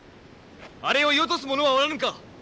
あれを射落とす者はおらぬか。